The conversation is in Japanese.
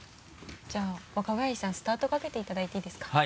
じゃあ若林さんスタートかけていただいていいですか？